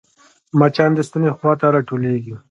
مچان د ستوني خوا ته راټولېږي